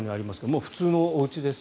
もう普通のおうちです。